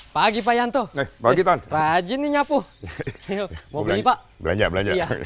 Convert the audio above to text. pagi payanto bagitan bajin nyapu belanja belanja